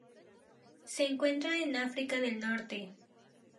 Se encuentra en África del Norte.